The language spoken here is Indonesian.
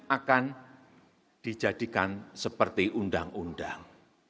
akan dijadikan seperti undang undang